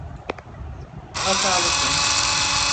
Hatalısın.